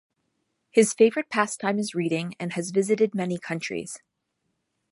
His favourite pastime is reading and has visited many countries.